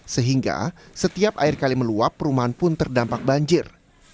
sehingga setiap air kali meluap perumahan pun terdampak banjir